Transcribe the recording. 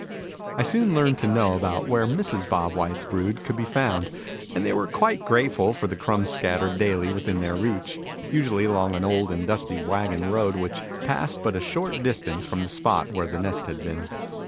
I soon learned to know about where Mrs. Bob White's brood could be found, and they were quite grateful for the crumbs scattered daily within their reach, usually along an old and dusty wagon road which passed but a short distance from the spot where the nest had been.